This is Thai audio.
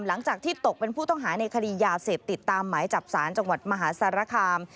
หลังจากที่ตกเป็นผู้ต้องหาในคดียาเสพติดตามหมายจับสารจังหวัดมหาสารคาม